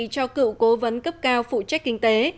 cho cựu cố vấn cấp cao phụ trách kinh tế